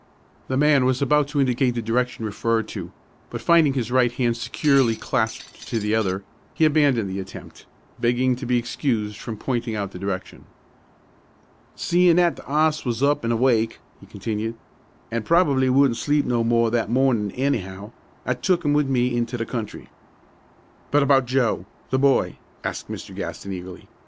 The man was about to indicate the direction referred to; but finding his right hand securely clasped to the other, he abandoned the attempt, begging to be excused from pointing out the direction. "Seein' that the 'oss was up an' awake," he continued, "an' probably wouldn't sleep no more that mornin' anyhow, I took 'im with me into the country." "But about Joe, the boy?" asked Mr. Gaston, eagerly.